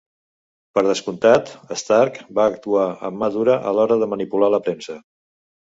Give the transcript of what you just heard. Per descomptat, Stark va actuar amb mà dura a l'hora de manipular la premsa.